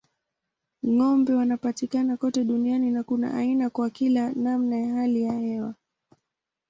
Ng'ombe wanapatikana kote duniani na kuna aina kwa kila namna ya hali ya hewa.